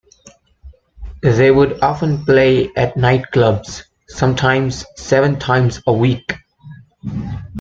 They would often play at night clubs, sometimes seven times a week.